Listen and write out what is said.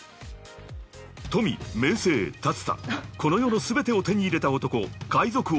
富、名声、タツタ、この世の全てを手に入れた男。